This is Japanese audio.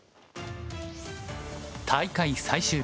大会最終日。